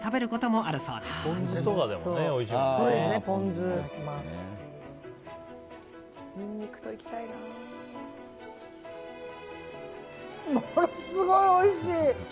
ものすごいおいしい。